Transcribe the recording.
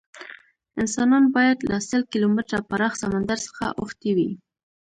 انسانان باید له سل کیلومتره پراخ سمندر څخه اوښتي وی.